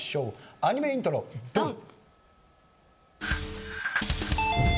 アニメイントロドン！